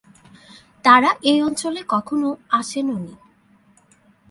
তারা এই অঞ্চলে কখনও আসেনওনি।